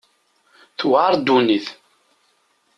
Tuɛer ddunit.